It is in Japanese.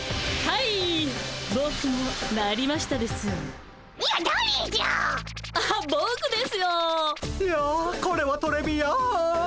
いやこれはトレビアン。